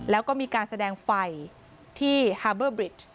แล้วก็มีการแสดงไฟที่ฮาเบอร์บริด